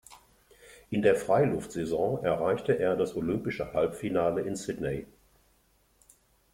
In der Freiluftsaison erreichte er das olympische Halbfinale in Sydney.